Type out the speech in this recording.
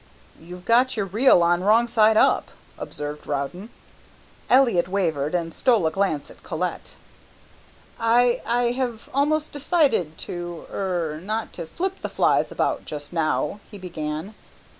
"You've got your reel on wrong side up," observed Rowden. Elliott wavered, and stole a glance at Colette. "I I have almost decided to er not to flip the flies about just now," he began.